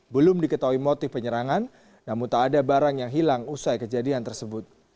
belum diketahui motif penyerangan namun tak ada barang yang hilang usai kejadian tersebut